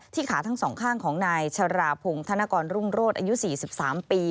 ที่ขาทั้งสองข้างของนายชราบพุงธนกรรมรวชอายุ๔๓ปี